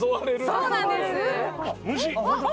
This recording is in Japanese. そうなんです。